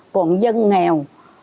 còn dân nghèo